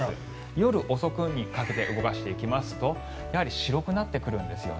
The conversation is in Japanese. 夜遅くにかけて動かしていきますと白くなってくるんですね。